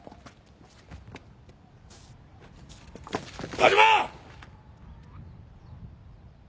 田島！